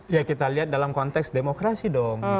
ya kita lihat dalam konteks demokrasi dong